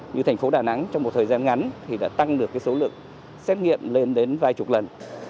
như thành phố đà nẵng trong một thời gian ngắn thì đã tăng được số lượng xét nghiệm lên đến vài chục lần